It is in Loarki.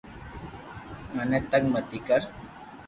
مني تنگ متي ڪر